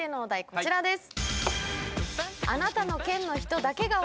こちらです。